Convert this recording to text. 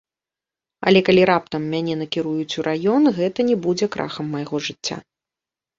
Але, калі раптам мяне накіруюць у раён, гэта не будзе крахам майго жыцця.